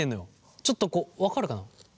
ちょっと分かるかな？